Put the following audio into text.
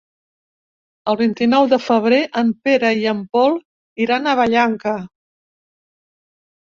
El vint-i-nou de febrer en Pere i en Pol iran a Vallanca.